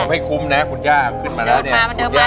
ไม่คุ้มว่าคุณย่าจะขึ้นมาไม่วันดังเลย